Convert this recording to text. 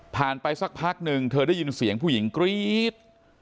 ไปสักพักหนึ่งเธอได้ยินเสียงผู้หญิงกรี๊ด